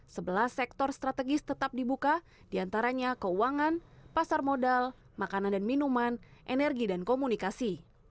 sebelah sektor strategis tetap dibuka diantaranya keuangan pasar modal makanan dan minuman energi dan komunikasi